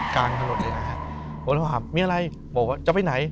กลางทะโรธเองนะครับผมก็เลยถามมีอะไรบอกว่าจะไปไหน